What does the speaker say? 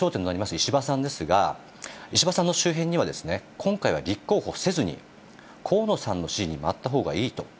石破さんですが、石破さんの周辺には、今回は立候補せずに、河野さんの支持に回ったほうがいいと。